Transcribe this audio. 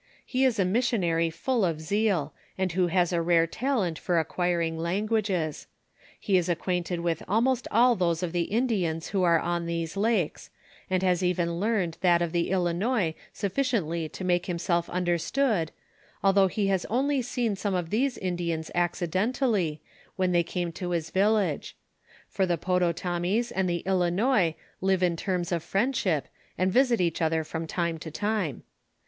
He is a missionary full of seal, and who has a rare talent for aoqi.iring languages. He is acquainted with almost all those of the Indians who are on these lakes, and has even learned that of the Ilinois sufficiently to make himself understood, although he has only seen some of those Indians accidentally, when they came to his village ; for the Pouteautamis and tlie Ilinois live in terms of friendship^ and visit each other from time to time.